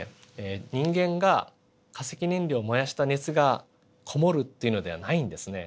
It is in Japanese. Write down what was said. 人間が化石燃料を燃やした熱が籠もるっていうのではないんですね。